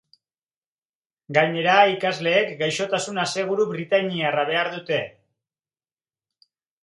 Gainera, ikasleek gaixotasun aseguru britainiarra behar dute.